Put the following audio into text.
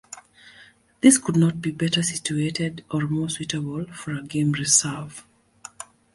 This could not be better situated or more suitable for a game reserve.